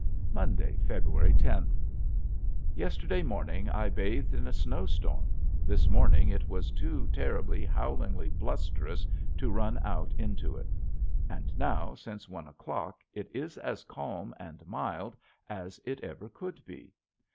Monday, February tenth. Yesterday morning I bathed in a snowstorm, this morning it was too terribly, howlingly blusterous to run out into it. And now since one o'clock it is as calm and mild as it ever could be.